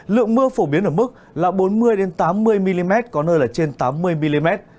lượng mưa phổ biến ở mức là bốn mươi tám mươi mm có nơi là trên tám mươi mm